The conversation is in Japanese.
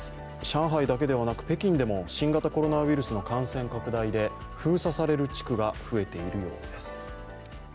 上海だけではなく、北京でも新型コロナウイルス拡大で封鎖される地区が増えているようです。